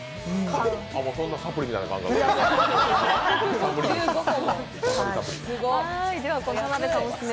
そんなサプリみたいな感覚で。